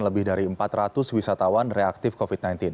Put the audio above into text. lebih dari empat ratus wisatawan reaktif covid sembilan belas